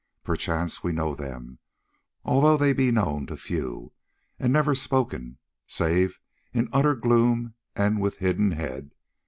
Perchance we know them, although they be known to few, and are never spoken, save in utter gloom and with hidden head.